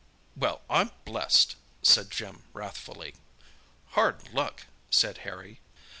"Well, I'm blessed!" said Jim wrathfully. "Hard luck!" said Harry.